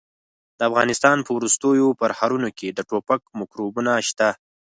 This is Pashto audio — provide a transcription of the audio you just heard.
د افغانستان په ورستو پرهرونو کې د ټوپک میکروبونه شته.